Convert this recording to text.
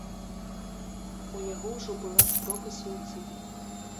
У яго ўжо была спроба суіцыду.